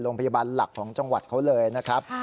โรงพยาบาลหลักของจังหวัดเขาเลยนะครับ